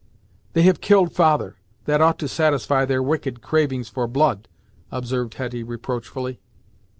"They have killed father; that ought to satisfy their wicked cravings for blood," observed Hetty reproachfully.